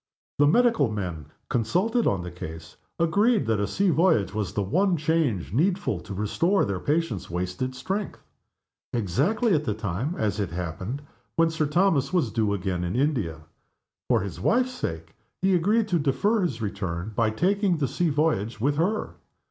The medical men, consulted on the case, agreed that a sea voyage was the one change needful to restore their patient's wasted strength exactly at the time, as it happened, when Sir Thomas was due again in India. For his wife's sake, he agreed to defer his return, by taking the sea voyage with her.